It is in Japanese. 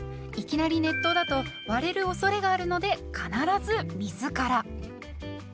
いきなり熱湯だと割れるおそれがあるので必ず水から。